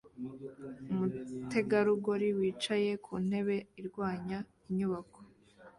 Umutegarugori wicaye ku ntebe irwanya inyubako